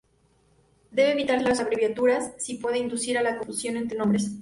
Debe evitarse la abreviatura si puede inducir a confusión entre nombres.